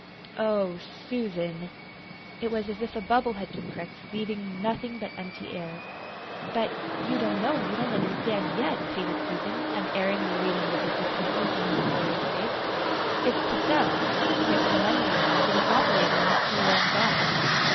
"Oh, SUSAN!" It was as if a bubble had been pricked, leaving nothing but empty air. "But you don't know you don't understand, yet," pleaded Susan, unerringly reading the disappointment in her employer's face. "It's to sell to get some money, you know, for the operator on the poor lamb's eyes.